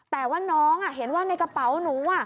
แต่ว่าน้องเห็นว่าในกระเป๋าหนู